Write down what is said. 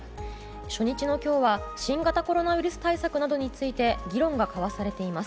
初日の今日は新型コロナウイルス対策などについて議論が交わされています。